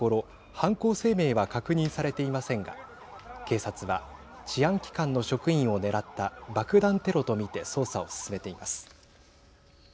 犯行声明は確認されていませんが警察は治安機関の職員を狙った爆弾テロと見て捜査を進めています。